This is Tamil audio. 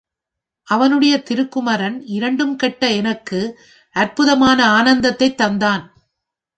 அவனுடைய திருக்குமரன் இரண்டும் கெட்ட எனக்கு அற்புதமான ஆனந்தத்தைத் தந்தான்.